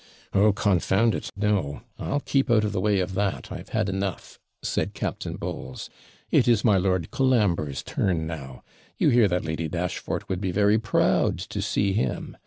'Oh! confound it no! I'll keep out of the way of that I have had enough,' said Captain Bowles; 'it is my Lord Colambre's turn now; you hear that Lady Dashfort would be very PROUD to see him.